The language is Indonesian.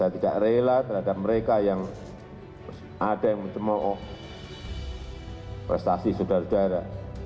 saya tidak rela terhadap mereka yang ada yang menjemoh prestasi saudara saudara